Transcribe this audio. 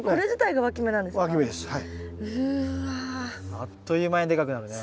あっという間にでかくなるね。